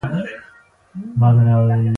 غرونه، رغونه او درې ښې اوبه لري